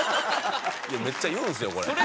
めっちゃ言うんですよこれ。